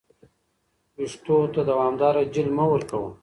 ویښتو ته دوامداره جیل مه ورکوه.